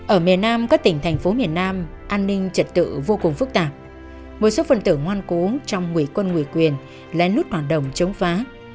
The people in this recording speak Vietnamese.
ở miền nam các tỉnh thành phố miền nam an ninh trật tự vô cùng phức tạp một số phần tử ngoan cú trong quỷ quân quỷ quyền lại nút hoạt động chống phá